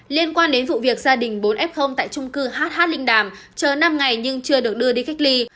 liên quan đến vụ việc gia đình bốn f tại trung cư hh linh đàm chờ năm ngày nhưng chưa được đưa đi cách ly